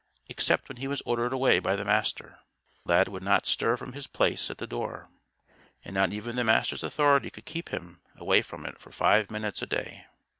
Except when he was ordered away by the Master, Lad would not stir from his place at the door. And not even the Master's authority could keep him away from it for five minutes a day.